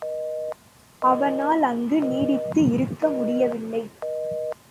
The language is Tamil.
அவனால் அங்கு நீடித்து இருக்க முடியவில்லை.